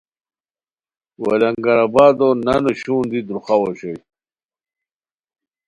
وا لنگر آبادو نانو شون دی دروخاؤ اوشوئے